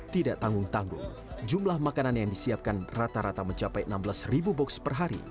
tidak tanggung tanggung jumlah makanan yang disiapkan rata rata mencapai enam belas box per hari